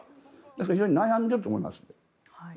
ですから非常に悩んでいると思います。